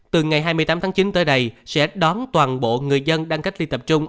từ ngày hai mươi tám tháng chín tới đây sẽ đón toàn bộ người dân đang cách ly tập trung